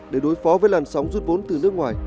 để đối phó với làn sóng rút vốn từ nước ngoài